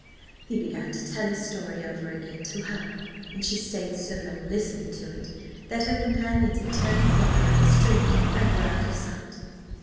He began to tell his story over again to her, and she stayed so long listening to it, that her companions had turned the corner of the street, and were out of sight.